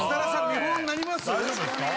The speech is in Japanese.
見本になります？